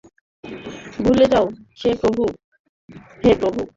ভুলে যাও, হে প্রভু!